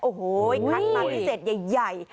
โอ้โหคัดมาพิเศษใหญ่